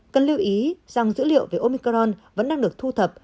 cần lưu ý rằng dữ liệu về omicron vẫn đang được thu thập